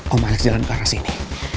om alex jalan ke arah sini